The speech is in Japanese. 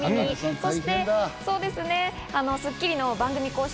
そして『スッキリ』の番組公式